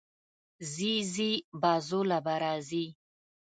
ځې ځې، بازو له به راځې